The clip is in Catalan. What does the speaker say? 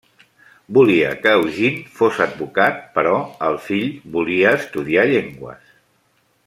Volia que Eugene fos advocat, però el fill volia estudiar llengües.